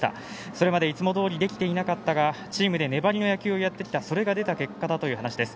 それまで、いつもどおりできていなかったがチームで粘りの野球をやってきたそれが出た結果だということです。